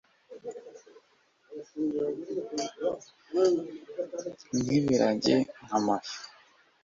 Nk ibiragi nkamafi